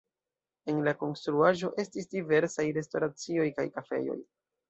En la konstruaĵo estis diversaj restoracioj kaj kafejoj.